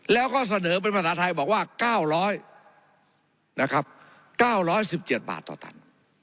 แล้วก็เสนอเป็นภาษาไทยบอกว่า๙๑๗บาทต่อตัน